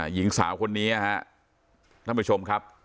หญิงสาวคนนี้ท่านผู้ชมครับ